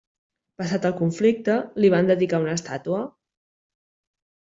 Passat el conflicte, li van dedicar una estàtua.